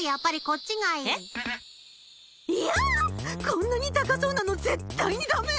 こんなに高そうなの絶対に駄目！